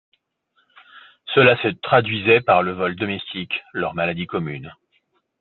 Cela se traduisait par le vol domestique, leur maladie commune.